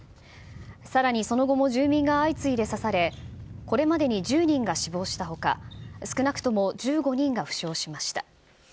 さらにその後も住民が相次いで刺され、これまでに１０人が死亡したほか、少なくとも１５人が負傷しました。